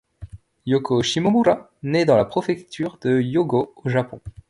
Yoko Shimomura nait dans la Préfecture de Hyōgo, au Japon.